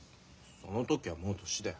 その時はもう年だよ。